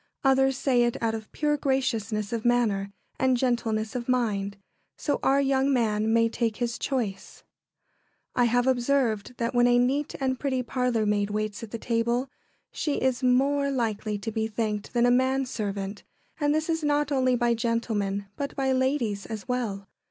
Others say it out of pure graciousness of manner and gentleness of mind. So our young man may take his choice. [Sidenote: Maidservants at table.] I have observed that when a neat and pretty parlourmaid waits at table she is more likely to be thanked than a manservant; and this not only by gentlemen, but by ladies as well.